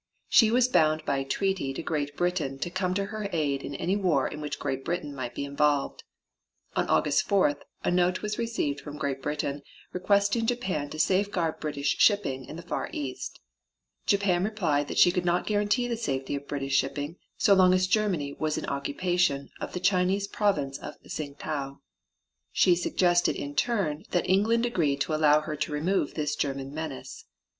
She was bound by treaty to Great Britain to come to her aid in any war in which Great Britain might be involved. On August 4th a note was received from Great Britain requesting Japan to safeguard British shipping in the Far East. Japan replied that she could not guarantee the safety of British shipping so long as Germany was in occupation of the Chinese province of Tsing tau. She suggested in turn that England agree to allow her to remove this German menace.